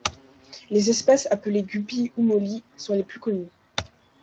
Les espèces appelées guppy ou molly sont les plus connues.